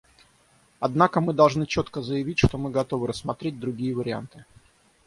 Однако мы должны четко заявить, что мы готовы рассмотреть другие варианты.